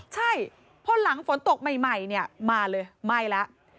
ใช่เพราะหลังฝนตกใหม่มาเลยไหม้แล้ว